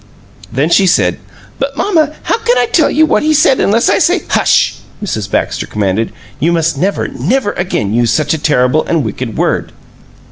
Then she said: "But, mamma, how can I tell you what he said unless I say " "Hush!" Mrs. Baxter commanded. "You must never, never again use such a terrible and wicked word."